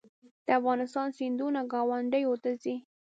د افغانستان سیندونه ګاونډیو ته ځي